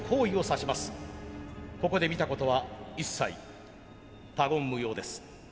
ここで見たことは一切他言無用です。